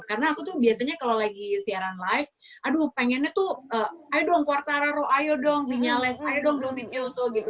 karena aku tuh biasanya kalau lagi siaran live aduh pengennya tuh ayo dong quartararo ayo dong vinyales ayo dong lovie chilso gitu